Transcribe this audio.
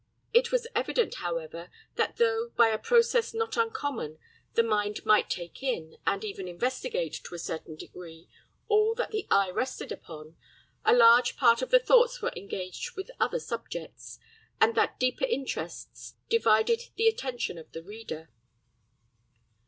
It was evident, however, that though, by a process not uncommon, the mind might take in, and even investigate, to a certain degree, all that the eye rested upon, a large part of the thoughts were engaged with other subjects, and that deeper interests divided the attention of the reader.